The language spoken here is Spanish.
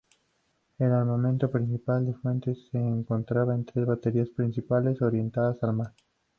El armamento principal del fuerte se encontraba en tres baterías principales orientadas al mar.